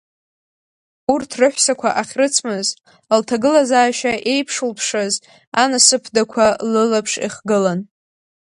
Урҭ рыҳәсақәа ахьрыцмыз, лҭагылазаашьа еиԥшылтәшаз анасыԥдақәа лылаԥш ихгылан.